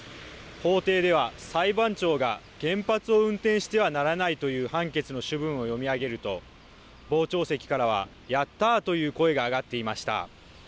法廷では裁判長が原発を運転してはならないという判決の主文を読み上げると傍聴席からはやったーという声が上がっていました。